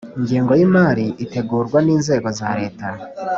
Ingengo y’imari ategurwa n’inzego za Leta